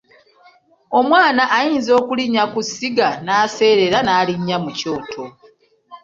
Omwana ayinza okulinnya ku ssiga n'aseerera n'alinnya mu Kyoto.